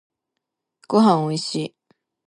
ごはんおいしい